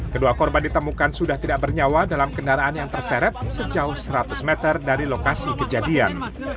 kedua korban ditemukan sudah tidak bernyawa dalam kendaraan yang terseret sejauh seratus meter dari lokasi kejadian